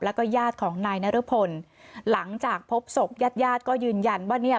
แล้วก็ญาติของนายนรพลหลังจากพบศพญาติญาติก็ยืนยันว่าเนี่ย